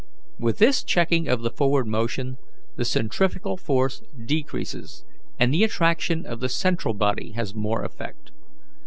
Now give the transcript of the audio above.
With this checking of the forward motion, the centrifugal force decreases, and the attraction of the central body has more effect.